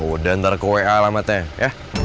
udah ntar ke wa alamatnya ya